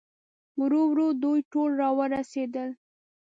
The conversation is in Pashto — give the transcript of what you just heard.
ورو ورو دوی ټول راورسېدل.